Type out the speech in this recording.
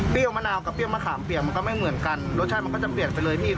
มะนาวกับเปรี้ยมะขามเปียกมันก็ไม่เหมือนกันรสชาติมันก็จะเปลี่ยนไปเลยพี่